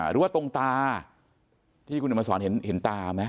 หรือว่าตรงตาที่คุณธรรมสอนเห็นตาไหม